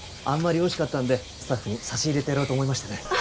あんまりおいしかったんでスタッフに差し入れてやろうと思いましてね。